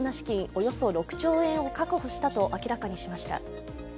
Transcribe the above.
およそ６兆円を確保したと明らかにしました。